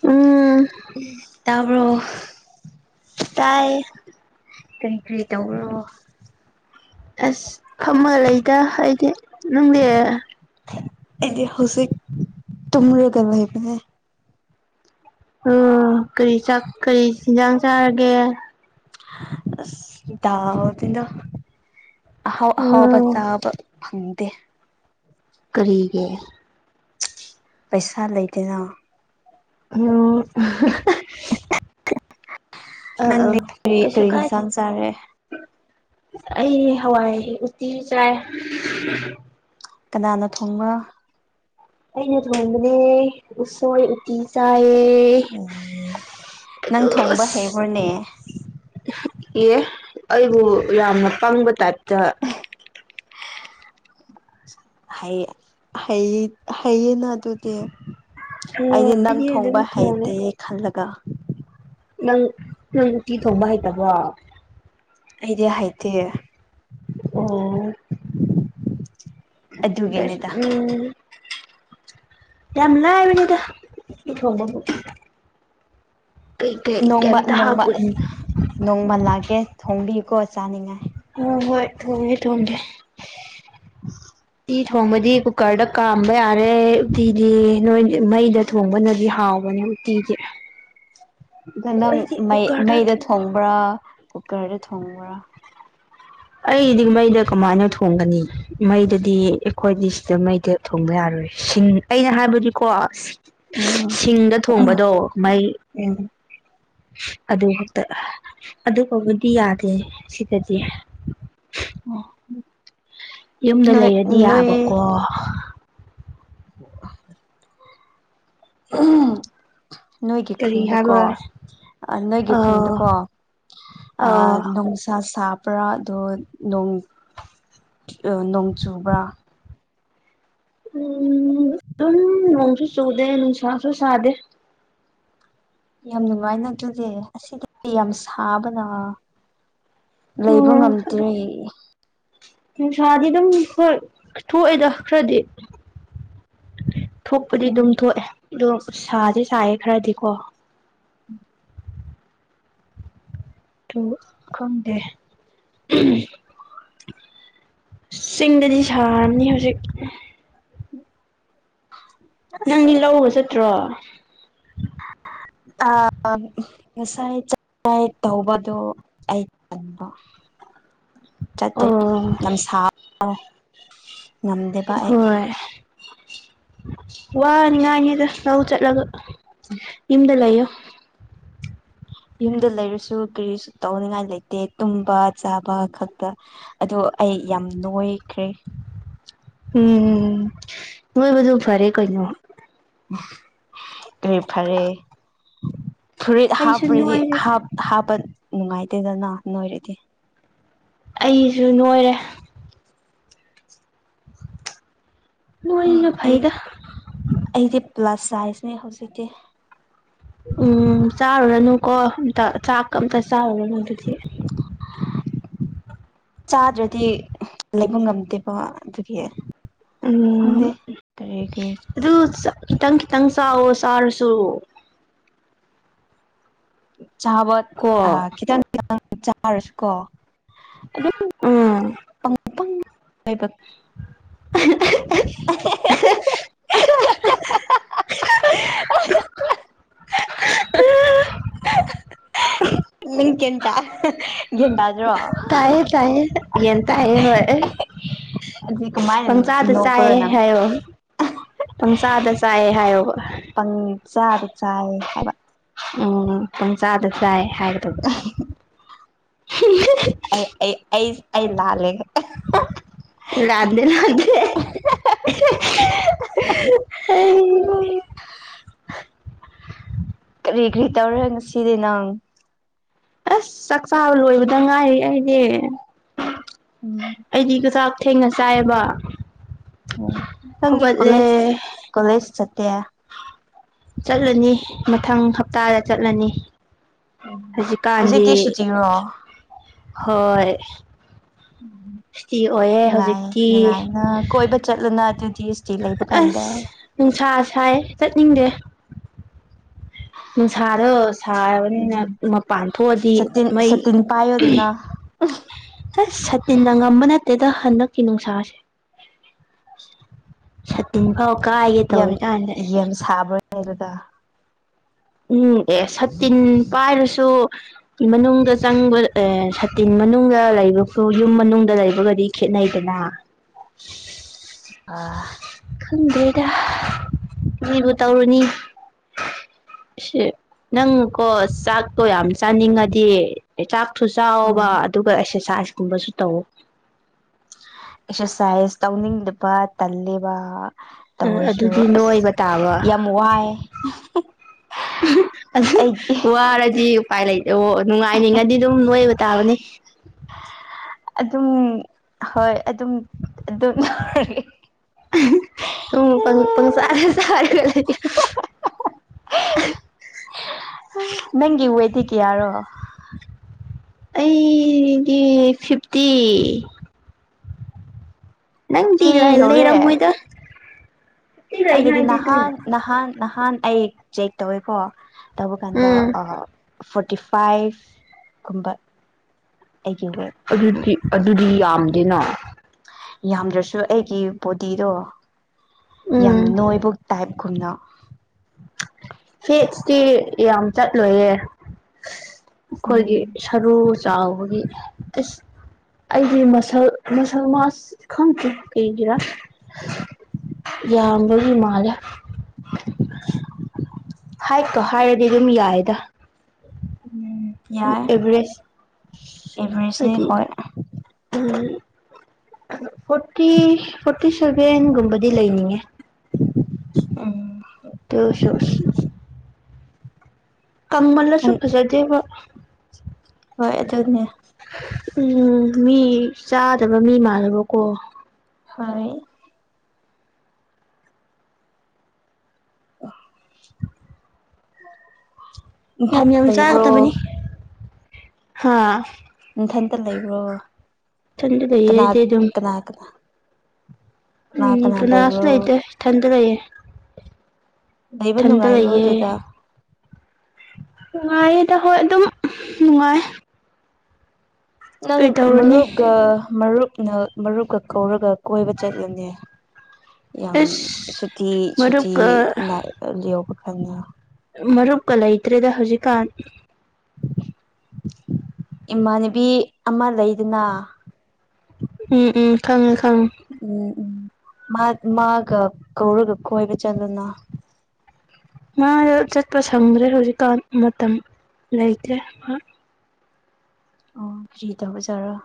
ꯎꯝ ꯇꯥꯕꯔꫭ ꯇꯥꯏ ꯀꯔꯤ ꯀꯔꯤ ꯇꯧꯒꯔꯕꫭ ꯑꯁ ꯐꯝꯃ ꯂꯩꯗ ꯑꯩꯗꯤ ꯅꯪꯗꯤ ꯑꯦꯗꯤ ꯍꯖꯤ ꯇꯔꯒꯔ ꯍꯥꯏꯕꯅꯦ ꯑꯣ ꯀꯔꯤ ꯀꯔꯤ ꯆꯤꯟꯖꯥꯡ ꯆꯥꯔꯒꯦ ꯗꯎꯅ ꯍ ꯍꯕ ꯑꯣ ꯆꯕ ꯐꯪꯗꯦ ꯀꯔꯤꯒꯦ ꯄꯩꯁꯥ ꯂꯩꯗꯦꯅ ꯑꯣ ꯑꯍꯥ ꯍꯥ ꯑꯥ ꯅꯪꯗꯤ ꯑ ꯀꯔꯤ ꯀꯩꯁꯨ ꯀꯔꯤ ꯀꯥꯏꯗꯦ ꯌꯦꯟꯁꯥꯡ ꯆꯥꯔꯦ ꯑꯩ ꯍꯋꯥꯏ ꯎꯇꯤ ꯆꯥꯏ ꯀꯅꯥꯅ ꯊꯣꯡꯕ ꯑꯩꯩꯅ ꯊꫭꯡꯕꯅꯦ ꯎꯁꯣꯏ ꯎꯠꯇꯤ ꯆꯥꯏꯌꯦ ꯅꯪ ꯊꯣꯡꯕ ꯑꯁꯁ ꯍꯩꯕ꯭ꯔꯣꯅꯦ ꯑꯦ ꯑꯩꯕꯨ ꯌꯥꯝꯅ ꯄꯪꯕ ꯇꯥꯏꯞꯇ ꯍꯩ ꯍꯩꯌꯦ ꯍꯩꯌꯦꯅ ꯑꯗꯨꯗꯤ ꯑꯣ ꯑꯩꯗꯤ ꯅꯪ ꯑꯗꯨꯝ ꯊꯣꯡꯕ ꯊꯣꯡꯉꯦ ꯍꯩꯇꯦ ꯈꯜꯂꯒ ꯅꯪ ꯅꯪ ꯎꯇꯤ ꯊꯣꯡꯕ ꯍꯩꯇꯕꯔꫭ ꯑꯩꯗꯤ ꯍꯩꯇꯦ ꯑꯣ ꯒꯥꯏꯁꯤꯡ ꯑꯗꯨꯒꯤꯅꯤꯗ ꯎꯝ [unintelligible] ꯌꯥꯝ ꯂꯥꯏꯕꯅꯤꯗ ꯎꯇꯤ ꯊꫭꯡꯕꯕꯨ ꯅꯣꯡꯃ ꯅꯣꯡꯃ ꯅꯣꯡꯃ ꯂꯥꯛꯀꯦ ꯊꯣꯡꯕꯤꯌꯨꯀꯣ ꯆꯥꯅꯤꯡꯉꯥꯏ ꯑꯣ ꯍꯣꯏ ꯊꯣꯡꯉꯦ ꯇꯣꯡꯗꯦ ꯊꯣꯡꯕꯗꯤ ꯀꯨꯀꯔꯗ ꯀꯥꯝꯕ ꯌꯥꯔꯦ ꯎꯇꯤꯗꯤ ꯅꯣꯏ ꯃꯩꯗ ꯊꯣꯡꯕꯅꯗꯤ ꯍꯥꯎꯕꯅꯦ ꯀꯤꯒꯦ ꯑꯗ ꯅꯪ ꯃꯩ ꯃꯩꯗ ꯊꯣꯡꯉꯦ ꯊꯣꯡꯕ꯭ꯔꯥ ꯀꯨꯀꯔꯗ ꯊꯣꯡꯕ꯭ꯔꯥ ꯑꯩꯗꯤ ꯃꯩꯗ ꯀꯃꯥꯏꯅ ꯊꯣꯡꯒꯅꯤ ꯃꯩꯗꯗꯤ ꯑꯩꯈꯣꯏꯗꯤ ꯁꯤꯗ ꯃꯩꯗ ꯊꯣꯡꯕ ꯌꯥꯔꯦ ꯑꯩꯅ ꯍꯥꯏꯕꯗꯤꯀꯣ ꯎꯝ ꯁꯤꯡꯗ ꯊꯣꯡꯕꯗꯣ ꯃꯩ ꯎꯝ ꯑꯗꯨ ꯈꯛꯇ ꯑꯗꯨ ꯐꯕꯨꯗꯤ ꯌꯥꯗꯦ ꯁꯤꯗꯗꯤ ꯑ ꯌꯨꯝꯗ ꯂꯩꯔꯗꯤ ꯌꯥꯕꯀꯣ ꯑꯣ ꯀꯔꯤ ꯅꯣꯏꯒꯤꯈꯏꯗꯀꯣ ꯍꯥꯏꯕ ꯅꯣꯏꯒꯤ ꯑꯥ ꯈꯨꯟꯗꯀꯣ ꯑꯥ ꯅꯨꯡꯁꯥ ꯁꯥꯕ ꯆꯄ꯭ꯔꯥ ꯑꯗꯣ ꯅꯣꯡ ꯅꯣꯡ ꯆꯨꯕ꯭ꯔꯥ ꯎꯝ ꯑꯗꯨꯝ ꯃꯣꯡꯁꯨ ꯁꯨꯗꯦ ꯁꯥ ꯁꯁꯨ ꯁꯥꯗꯦ ꯌꯥꯝ ꯅꯨꯡꯉꯥꯏꯅ ꯑꯗꯨꯗꯤ ꯑꯁꯤꯗꯗꯤ ꯌꯥꯝ ꯁꯥꯕꯅ ꯂꯩꯕ ꯎꯝ ꯑꯗꯨ ꯉꯝꯇ꯭ꯔꯤꯦ ꯅꯨꯡꯁꯥꯗꯤ ꯑꯗꯨꯝ ꯊꯣꯛꯑꯦꯗ ꯈꯔꯗꯤ ꯊꯣꯛꯄꯗꯤ ꯎꯝ ꯑꯗꯨꯝ ꯊꯣꯛꯑꯦ ꯑꯣ ꯁꯥꯁꯦ ꯁꯥꯏꯌꯦ ꯈꯔꯗꯤꯀꯣ ꯎꯝ ꯇ ꯈꯪꯗꯦ ꯆꯤꯡꯗꯗꯤ ꯁꯥꯔꯝꯅꯤ ꯍꯧꯖꯤꯛ ꯑꯁ ꯅꯪꯗꯤ ꯂꯧꯕ ꯆꯠꯇ꯭ꯔꯣ [unintelligible] ꯉꯁꯥꯏ ꯆꯥꯏ ꯇꯧꯕꯗꯣ ꯑꯩ ꯈꯟꯕ [unintelligible] ꯆꯠꯇ꯭ꯔꯤ ꯑꯣ ꯌꯥꯝ ꯁꯥꯣ ꯉꯝꯗꯦꯕ ꯑꯩ ꯋꯥ ꯉꯥꯏꯅꯤꯗ ꯂꯧ ꯆꯠꯂꯒ ꯌꯨꯝꯗ ꯂꯩꯌꯣ ꯌꯨꯝꯗ ꯂꯩꯔꯁꯨ ꯀꯔꯤꯁꯨ ꯇꯧꯅꯤꯡꯉꯥꯏ ꯂꯩꯇꯦ ꯇꯨꯝꯕ ꯆꯥꯕ ꯈꯛꯇ ꯑꯗ ꯑꯩ ꯌꯥꯝ ꯅꯨꯡꯉꯥꯏꯈ꯭ꯔꯦ ꯎꯝ ꯍꯕꯗꯨꯨ ꯐꯔꯦ ꯀꯣꯏꯅ ꯔꯔꯤꯐꯔꯦ ꯐꯨꯔꯤꯠ ꯑꯩꯁꯨ ꯍꯥꯞꯄ꯭ꯔꯗꯤ ꯅꯣꯏꯔꯦ ꯍꯥꯞꯄ ꯅꯨꯡꯉꯥꯏꯇꯦꯗꯅ ꯅꯣꯏꯔꯗꯤ ꯑꯩꯁꯨ ꯅꯣꯏꯔꯦ ꯅ ꯑꯩ ꯐꯥꯏꯗ ꯑꯩꯗꯤ ꯄ꯭ꯂꯁ ꯁꯥꯏꯁꯅꯦ ꯍꯧꯖꯤꯛꯀꯤ ꯎꯝ ꯆꯥꯔꯨꯔꯅꯨ ꯀꯣ ꯑꯇ ꯆꯥꯛ ꯑꯝꯇ ꯆꯥꯔꯕꯅꯣ ꯑꯗꯨꯗꯤ ꯆꯥꯗ꯭ꯔꯗꯤ ꯂꯩꯕ ꯉꯝꯗꯦꯕꯣ ꯑꯗꯨꯒꯤ ꯎꯝ ꯈꯪꯗꯦ ꯀꯔꯤ ꯀꯔꯤ ꯑꯗꯨ ꯇꯪꯈꯤ ꯇꯪ ꯆꯥꯎ ꯆꯔꯁꯨ ꯆꯥꯕ ꯀꯣ ꯑ ꯈꯤꯇꯪ ꯈꯤꯇꯪ ꯆꯥꯔꯁꯨ ꯀꯣ ꯑꯗꯨꯝ ꯎꯝ ꯀ [unintelligible] [unintelligible] ꯒꯌꯥꯟ ꯇꯥꯗ꯭ꯔꯣ ꯇꯥꯏꯌꯦ ꯇꯥꯏꯌꯦ ꯒ꯭ꯌꯥꯟ ꯇꯥꯏꯌꯦ ꯍꯣꯏ ꯑꯗꯨ ꯀꯃꯥꯏꯅ ꯄꯪꯆꯥꯗ ꯅꯣꯄꯔꯣ ꯅꯪ ꯄꯪꯁꯥꯗ ꯆꯥꯏꯦ ꯍꯥꯏꯌꯣꯕ ꯄꯪꯉ ꯆꯥꯔ ꯆꯥꯏ ꯍꯥꯏꯕ ꯎꯝ ꯄꯨꯡ ꯆꯥꯗ ꯆꯥꯏ ꯍꯥꯏꯒꯗꯧꯕ꯭ꯔ ꯑꯩ ꯑꯩ ꯑꯩ ꯑꯩ ꯂꯥꯜꯂꯦ ꯂꯥꯟꯗ ꯂꯥꯟꯗ ꯎꯝ ꯀꯔꯤ ꯀꯔꯤ ꯇꯧꯔꯦ ꯉꯁꯤꯗꯤ ꯅꯪ ꯑꯁ ꯆꯥꯛ ꯆꯥꯕ ꯂꯣꯏꯕꯗ ꯉꯥꯏ ꯑꯩꯅꯦ ꯑꯩꯗꯤꯒꯖꯥꯛ ꯊꯦꯡꯅ ꯆꯥꯏꯌꯦꯕ ꯑꯣ ꯅꯪꯒꯤ ꯀꯣꯂꯦꯖ ꯍꯧꯒꯠꯂꯦ ꯀꯣꯂꯦꯖ ꯁꯠꯇ ꯆꯠꯂꯅꯤ ꯃꯊꯪ ꯍꯞꯇꯥꯗ ꯆꯠꯂꯅꯤ ꯍꯧꯖꯤꯀꯥꯟꯗꯤ ꯍꯧꯖꯤꯛꯇꯤ ꯁꯨꯇꯤꯔꯣ ꯍꯣꯏ ꯎꯝ ꯁꯨꯇꯤ ꯑꯣꯏꯌꯦ ꯅꯨꯡꯉꯥꯏ ꯍꯧꯖꯤꯛꯇꯤ ꯅꯨꯡꯉꯥꯏꯅ ꯀꯣꯏꯕ ꯆꯠꯂꯅ ꯑꯗꯨꯗꯤ ꯁꯇꯤ ꯂꯩꯕ ꯀꯥꯟꯗ ꯑꯁ ꯅꯨꯡꯁꯥ ꯁꯥꯏ ꯆꯠꯅꯤꯡꯗꯦ ꯅꯨꯡꯁꯥꯗꯣ ꯁꯥꯔꯕꯅꯤꯅ ꯎꯝ ꯃꯄꯥꯟ ꯊꯣꯛꯑꯗꯤ ꯃꯩ ꯀꯥꯏꯣꯗꯅ ꯑ ꯁꯇꯤꯟ ꯅꯪꯉꯝꯕ ꯅꯠꯇꯦꯗ ꯍꯟꯗꯛꯀꯤ ꯅꯨꯡꯁꯥꯁꯦ ꯁꯇꯤꯟ ꯍ ꯀ ꯑꯩꯦ ꯌꯥꯝ ꯇꯧꯔ ꯀꯗꯦ ꯌꯥꯝ ꯁꯥꯕ꯭ꯔꯅꯦ ꯑꯗꯨꯗ ꯎꯝ ꯑꯦ ꯁꯇꯤꯟ ꯄꯥꯏꯔꯁꯨ ꯃꯅꯨꯡꯗ ꯆꯪꯕ ꯑꯦ ꯁꯇꯤꯟ ꯃꯅꯨꯡꯗ ꯂꯩꯕꯒ ꯌꯨꯝ ꯃꯅꯨꯡꯗ ꯂꯩꯕꯒꯗꯤ ꯈꯦꯠꯅꯩꯗꯅ ꯑꯥ ꯁꯨꯝꯗꯩꯗ ꯀꯔꯤꯕꯨ ꯇꯧꯔꯨꯅꯤ [inaudible] ꯁ ꯅꯪ ꯀꯣ ꯆꯥꯛꯇꯣ ꯌꯥꯝ ꯆꯥꯅꯤꯡꯉꯗꯤ ꯆꯥꯛ ꯊꯨꯆꯥꯕ ꯑꯗꯨꯒ ꯑꯦꯛꯁꯔꯁꯥꯏꯁꯀꯨꯝꯕꯁꯨ ꯇꯧꯋ ꯑꯦꯛꯁ ꯁꯥꯏꯁ ꯇꯧꯅꯤꯡꯗꯕ ꯇꯜꯂꯤꯦꯕ ꯇꯧꯔꯁꯨ ꯑꯗꯨꯗꯤ ꯑꯁ ꯅꯣꯏꯕ ꯇꯥꯕ ꯌꯥꯝ ꯋꯥꯏ ꯑꯩꯒꯤ ꯋꯥꯔꯖꯤ ꯎꯄꯥꯏ ꯂꯩ ꯑꯣ ꯅꯨꯡꯉꯥꯏꯅꯤꯉꯗꯤ ꯑꯗꯨꯝ ꯅꯣꯏꯕ ꯇꯥꯕꯅꯤ ꯑꯗꯨꯝ ꯍꯣꯏ ꯑꯗꯨꯝ ꯑꯗꯨ ꯎꯪꯪ ꯁꯔꯦ ꯁꯔ ꯂꯩ ꯅꯪꯒꯤ ꯀꯔꯣ ꯑꯩꯗꯤ ꯐꯤꯐꯇꯤ ꯅꯪꯗꯤ ꯏꯂ ꯐꯤꯐꯇꯤ ꯏꯂ ꯌꯧꯔꯦ ꯏꯔꯝꯣꯏꯗ ꯑꯩꯒꯤꯗꯤ ꯅꯍꯥꯟ ꯅꯍꯥꯟ ꯅꯍꯥꯟ ꯑꯩ ꯆꯦꯛ ꯇꯧꯋꯦꯀꯣ ꯇꯧꯕ ꯀꯥꯟꯗ ꯎꯝ ꯐꯣꯔꯇꯤ ꯐꯥꯏꯚ ꯀꯨꯝꯕ ꯑꯩꯒꯤ ꯋꯦꯠ ꯑꯗꯨꯗꯤ ꯑꯗꯨꯗꯤ ꯌꯥꯝꯗꯦꯅ ꯌꯥꯝꯗ꯭ꯔꯁꯨ ꯑꯩꯒꯤ ꯕꯣꯗꯤꯗꯣ ꯌꯥꯝ ꯎꯝ ꯅꯣꯏꯕꯧ ꯇꯥꯏꯞ ꯈꯨꯟꯅ ꯍꯦꯁꯇꯤ ꯌꯥꯝ ꯆꯠꯂꯣꯏꯌꯦꯦ ꯑꯩꯈꯣꯏꯒꯤ ꯎꯝ ꯁꯔꯨ ꯆꯥꯎꯕꯒꯤ ꯑꯦꯁ ꯑꯩꯗꯤ ꯃꯁꯜ ꯃꯁꯜ ꯃꯥꯥꯁ ꯈꯪꯗꯦ ꯀꯩꯒꯤꯔꯥ ꯌꯥꯝꯕ ꯍꯃꯥꯂ ꯍꯥꯏꯀꯣ ꯍꯥꯏꯔꯗꯤ ꯑꯗꯨꯝ ꯌꯥꯏꯗ ꯎꯝ ꯌꯥꯏ ꯑꯦꯚꯔꯦꯁ ꯑꯦꯚꯔꯦꯖꯅꯦ ꯍꯥꯏꯗꯤ ꯍꯣꯏ ꯎꯝ ꯐꯣꯔꯇꯤ ꯐꯣꯔꯇꯤ ꯁꯦꯚꯦꯟꯒꯨꯝꯕꯗꯤ ꯂꯩꯅꯤꯡꯉꯦ ꯎꯝ ꯇꯁ [inaudible] ꯀꯃꯜ ꯂꯁꯨ ꯐꯖꯗꯦꯕ ꯐ ꯑꯗꯨꯅꯦ ꯎꯝ ꯃꯤ ꯆꯥꯗꯕ ꯃꯤ ꯃꯥꯥꯟꯂꯕꯀꯣ ꯍꯥꯏ ꯑ ꯌꯥꯝ ꯌꯥꯝ ꯆꯥꯗꯕꯅꯤ ꯍꯥꯥ ꯏꯟꯊꯟꯇ ꯂꯩꯕ꯭ꯔꯣ ꯏꯊꯟꯗ ꯂꯩꯌꯦ ꯀꯅꯥ ꯑꯩꯗꯤ ꯑꯗꯨꯝ ꯀꯅꯥ ꯀꯅꯥ ꯎꯝ ꯀꯅꯥ ꯀꯅꯥ ꯑꯗꯨꯅꯁꯨ ꯂꯩꯕ꯭ꯔꯣ ꯂꯩꯗ ꯊꯗ ꯂꯩꯌꯦꯦ ꯂꯩꯕ ꯊꯟꯗ ꯅꯨꯡꯉꯥꯏꯕ꯭ꯔꯣ ꯂꯩꯌꯦ ꯑꯗꯨꯗ ꯅꯨꯡꯉꯥꯏꯌꯦꯗ ꯍꯣꯏ ꯑꯗꯨꯝ ꯅꯨꯡꯉꯥꯏ ꯅꯪ ꯀꯩ ꯇꯧꯔꯨꯅꯤ ꯃꯔꯨꯞꯒ ꯃꯔꯨꯞ ꯅ ꯃꯔꯨꯞꯀ ꯀꯧꯔꯒ ꯀꯣꯏꯕ ꯆꯠꯂꯅꯤ ꯌꯥꯝ ꯑꯁ ꯁꯨꯇꯤ ꯁꯨꯇꯤ ꯃꯔꯨꯞꯀ ꯌꯧꯕ ꯐꯅ ꯃꯔꯨꯞꯀ ꯂꯩꯇ꯭ꯔꯦꯗ ꯍꯧꯖꯤꯛꯀꯥꯟ ꯏꯃꯥꯟꯅꯕꯤ ꯑꯃ ꯂꯩꯗꯨꯅ ꯎꯝ ꯎꯝ ꯈꯉꯦ ꯈꯪꯉ ꯎꯝ ꯎꯝ ꯃꯥ ꯃꯥꯒ ꯀꯧꯔꯒ ꯀꯣꯏꯕ ꯆꯗꯨꯅ ꯃꯥ ꯆꯠꯄ ꯁꯪꯗ꯭ꯔꯦ ꯍꯧꯖꯤꯛꯀꯥꯟ ꯃꯇꯝ ꯂꯩꯇ꯭ꯔꯦ ꯑꯣ ꯐ꯭ꯔꯤ ꯇꯧꯕꯖꯥꯔꯣ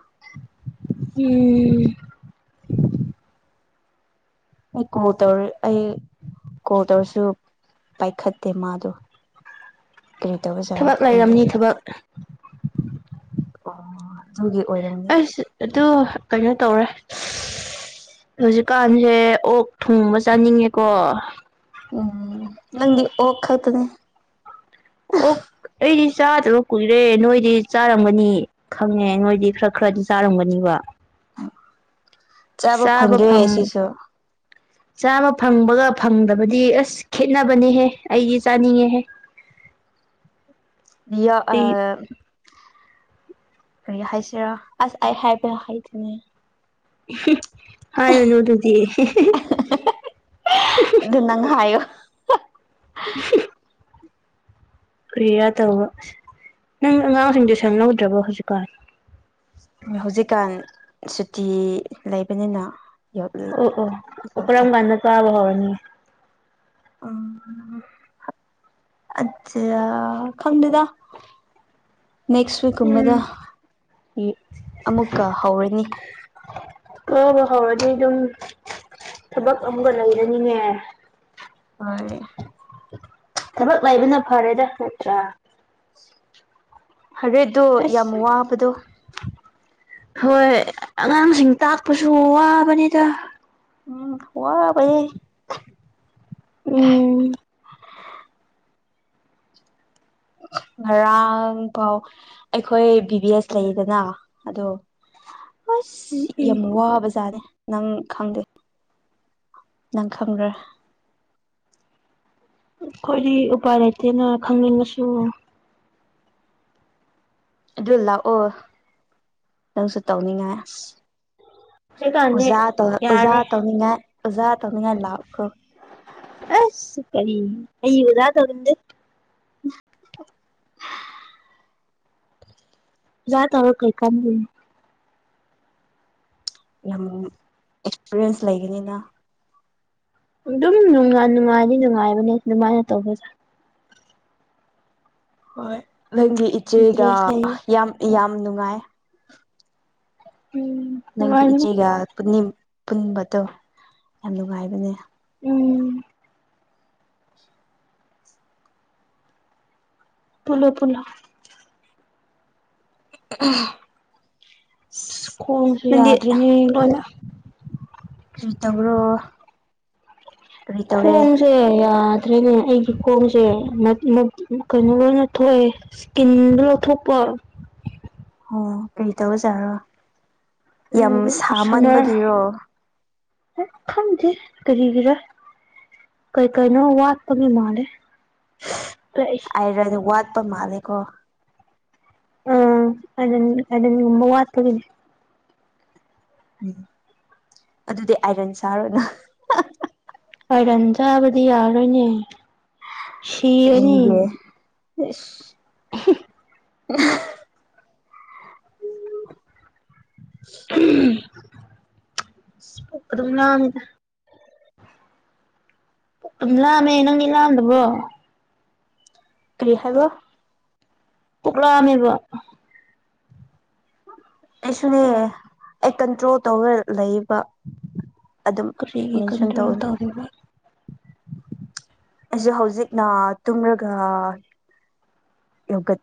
ꯎꯝ ꯑꯩ ꯀꯣꯜ ꯇꯧꯔ ꯑꯩ ꯀꯣꯜ ꯇꯧꯔꯁꯨ ꯄꯥꯏꯈꯠꯇꯦ ꯃꯥꯗꯣ ꯀꯔꯤ ꯇꯧꯕꯖꯥꯔꯥ ꯊꯕꯛ ꯈꯪꯗꯦ ꯂꯩꯔꯝꯅꯤ ꯊꯕꯛ ꯑꯣ ꯑꯗꯨꯒꯤ ꯑꯣꯏꯔꯝꯅꯤ ꯑꯁ ꯑꯗꯨ ꯀꯩꯅꯣ ꯇꯧꯔꯦ ꯍꯧꯖꯤꯛꯀꯥꯟꯁꯦ ꯑꯣꯛ ꯊꯨꯡꯕ ꯆꯥꯅꯤꯡꯉꯦꯀꯣ ꯎꯝ ꯅꯪꯒꯤ ꯑꯣꯈꯥꯇꯅꯦ ꯑꯣ ꯑꯩ ꯆꯥꯗꯕ ꯀꯨꯏꯔꯦ ꯅꯣꯏꯗꯤ ꯆꯥꯔꯝꯒꯅꯤ ꯈꯪꯉꯦ ꯅꯣꯏꯗꯤ ꯈꯔ ꯈꯔꯗꯤ ꯆꯥꯔꯝꯒꯅꯤꯕ ꯆꯥꯕ ꯁꯥꯥꯕ ꯐꯪꯗ꯭ꯔꯦ ꯐꯉ ꯁꯤꯁꯨ ꯆꯥꯃ ꯐꯪꯕꯒ ꯐꯪꯗꯕꯗꯤ ꯑꯁ ꯈꯦꯠꯅꯕꯅꯤꯍꯦ ꯑꯩꯗꯤ ꯆꯥꯅꯤꯡꯉꯦꯍꯦ [unintelligible] ꯌꯥ ꯑ ꯑꯩ ꯀ ꯍꯥꯏꯁꯦꯔꯥ ꯑꯁ ꯑ ꯍꯥꯏ ꯄꯦ ꯍꯥꯏꯥꯏ ꯊꯅꯦ ꯍꯥꯏꯥ ꯌꯅꯗꯨꯗꯤ ꯍꯥ ꯀꯔꯤꯌꯥ ꯇꯧꯕ ꯅꯪ ꯑꯉꯥꯡꯁꯤꯡꯗꯤ ꯁꯪꯍꯧꯗ꯭ꯔꯕ ꯍꯧꯖꯤꯛꯀꯥꯟ ꯍꯧꯖꯤꯛꯀꯥꯟ ꯁꯨꯇꯤ ꯂꯩꯕꯅꯤꯅ ꯑꯣ ꯑꯣ ꯑꯣꯈꯔꯥ ꯌꯧꯗꯦ ꯑꯃ ꯀꯥꯟꯅ ꯇ ꯑꯕ ꯍꯅꯤ ꯎꯝ ꯑꯆꯥ ꯈꯪꯗꯗ ꯅꯦꯛꯁ ꯋꯤꯛꯀꯨꯝꯕꯗ ꯎꯝ ꯑꯃꯨꯛꯀ ꯍꯧꯔꯅꯤ ꯍ ꯍ ꯍꯥꯎꯔꯗꯤ ꯑꯗꯨꯝ ꯊꯕꯛ ꯑꯃꯒ ꯂꯩꯔꯅꯤꯉ ꯍꯅꯦ ꯊꯕꯛ ꯂꯩꯕꯅ ꯐꯔꯦꯗ ꯅꯠꯇ꯭ꯔꯥ ꯍꯔꯦꯗꯣ ꯌꯥꯝ ꯑꯁ ꯋꯥꯕꯗꯣ ꯍꯣꯏ ꯑꯉꯥꯡꯁꯤꯡ ꯇꯥꯛꯄꯁꯨ ꯋꯥꯕꯅꯤꯗ ꯎꯝ ꯋꯥ ꯩ ꯎꯝ ꯉꯔꯥꯡ ꯐꯥꯎ ꯑꯩꯈꯣꯏ ꯕꯤ ꯚꯕꯤ ꯑꯦꯁ ꯂꯩꯌꯦꯗꯅ ꯑꯗꯣ ꯎꯝ ꯑꯁ ꯌꯥꯝ ꯋꯥꯕꯖꯥꯔꯦ ꯅꯪ ꯈꯪꯗꯦ ꯅꯪ ꯈꯪꯕ꯭ꯔ ꯑꯩꯈꯣꯏꯗꯤ ꯎꯄꯥꯏ ꯂꯩꯇꯦꯅ ꯈꯪꯅꯤꯡꯉꯁꯨ ꯑꯗꯨ ꯂꯥꯛꯑꯣ ꯅꯪꯁꯨ ꯇꯧꯅꯤꯡꯉꯥꯏ ꯍꯧꯖꯤꯛꯀꯥꯟꯗꯤ ꯎꯖꯥ ꯇ ꯎꯖꯥ ꯌꯥꯔꯦ ꯇꯧꯃꯤ ꯎꯖꯥ ꯇꯧꯃꯤ ꯂꯥꯛꯈꯣ [unintelligible] ꯑꯁ ꯑꯩ ꯑꯩꯕꯨꯗꯥ ꯇꯗ [unintelligible] ꯌꯥ ꯇꯧꯔ ꯀꯩ ꯀꯝ ꯂꯩ ꯌꯥꯝ ꯑꯦꯛꯁꯄꯤꯔꯤꯌꯦꯟꯁ ꯂꯩꯒꯅꯤꯅ ꯑꯗꯨꯝ ꯅꯨꯡꯉꯥꯏꯗꯤ ꯅꯨꯡꯉꯥꯏꯕꯅꯦ ꯑꯗꯨꯃꯥꯏꯅ ꯇꯧꯕꯁꯦ ꯍꯣꯏ ꯅꯪꯒꯤ ꯏꯆꯦꯒ ꯏꯟꯇ꯭ꯔꯦꯁ ꯂꯩꯌꯦ ꯌꯥꯝ ꯌꯥꯝ ꯅꯨꯡꯉꯥꯏ ꯎꯝ ꯅꯪꯒꯤ ꯅꯨꯡꯉꯥꯏꯕꯅꯦ ꯏꯆꯦꯒꯅꯤꯡ ꯄꯨꯟꯕꯗꯣ ꯌꯥꯝ ꯅꯨꯡꯉꯥꯏꯕꯅꯦ ꯎꯝ ꯄꯨꯂꯣ ꯄꯨꯂꯣ [inaudible] ꯁꯀꯨꯜ ꯅꯪꯗꯤ ꯌꯥꯗ꯭ꯔꯤꯅꯤ ꯀꯔꯤꯇꯕ꯭ꯔꯣ ꯈꯣꯡꯣꯡꯁꯦ ꯌꯥ ꯑꯗꯨ꯭ꯔꯅꯦ ꯑꯩꯒꯤ ꯈꯣꯡꯁꯦ ꯀꯩꯅꯣ ꯑꯣꯏꯅ ꯊꯣꯛꯑꯦ ꯏꯁꯀꯤꯟꯗ ꯂꯧꯊꯣꯛꯄ [inaudible] ꯑꯣ ꯀꯔꯤ ꯇꯧꯕꯖꯥꯔꯣ ꯌꯥꯝ ꯁꯅꯥ ꯁꯥꯃꯟꯕꯒꯤꯔꯣ ꯀꯔꯤ ꯀꯔ ꯀꯩ ꯀꯥꯏꯅꯣ ꯋꯥꯠꯄ ꯃꯤ ꯃꯥꯂꯦ ꯍꯥꯏꯔꯗꯤ ꯋꯥꯠꯄ ꯃꯥꯂꯦꯀꯣ ꯑ ꯑ ꯑꯗ ꯎꯃ ꯋꯥꯇꯗꯤ ꯎꯝ ꯑꯗꯨꯗꯤ ꯑꯥꯏꯔꯟ ꯁꯥꯔꯣꯅ ꯋꯥꯏꯔꯟ ꯆꯥꯕꯗꯤ ꯌꯥꯔꯣꯏꯅꯦ ꯁꯤꯔꯅꯤ ꯏꯁ [inaudible] [inaudible] ꯑꯗꯨꯅ ꯂꯃꯦ ꯅꯪ ꯂꯝꯗꯕꯣ ꯀꯔꯤ ꯍꯥꯏꯕꯣ ꯄꯨꯛꯂꯥꯅꯦꯕ ꯑꯩꯁꯨꯅꯦ ꯑꯩ ꯀꯟꯇ꯭ꯔꯣꯜ ꯇꯧꯔ ꯂꯩꯕ ꯑꯗꯨꯝ ꯀꯔꯤꯒꯤ ꯃꯦꯟꯁꯟ ꯀꯟꯇ꯭ꯔꯣꯜ ꯇꯧꯅ ꯇꯧꯔꯤꯕ ꯑꯩꯁꯨ ꯍꯧꯖꯤꯛꯅ ꯇꯨꯝꯔꯒ ꯌꯒ